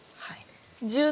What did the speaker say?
はい。